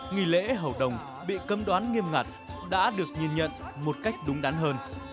nghị lễ hậu đồng bị cấm đoán nghiêm ngặt đã được nhìn nhận một cách đúng đắn hơn